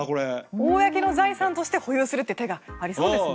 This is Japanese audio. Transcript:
公の財産として保有するという手がありますね。